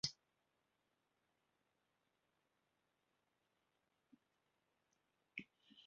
Mae hi'n gyfnewidfa nawfed fwyaf yn y byd fesul cyfalafiad marchnad.